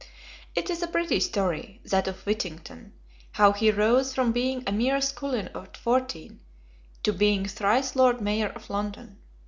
It is a pretty story that of Whittington; how he rose from being a mere scullion at fourteen, to being "thrice Lord Mayor of London."